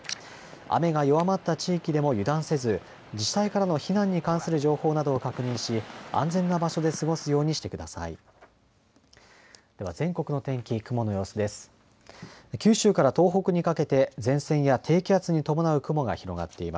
雨が弱まった地域でも油断せず自治体からの避難に関する情報などを確認し、安全な場所で過ごすようにしてください。